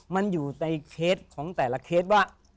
มันอยู่ในเคสของแต่ละเคสว่า